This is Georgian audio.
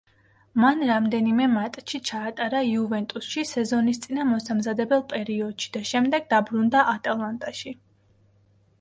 მან რამდენიმე მატჩი ჩაატარა „იუვენტუსში“ სეზონისწინა მოსამზადებელ პერიოდში და შემდეგ დაბრუნდა „ატალანტაში“.